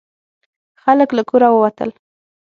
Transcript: خلک له کوره ووتل.